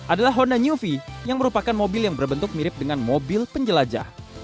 adalah honda new v yang merupakan mobil yang berbentuk mirip dengan mobil penjelajah